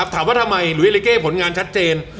ถามว่าทำไมลุวิสเอนริเก่ผลงานชัดเจน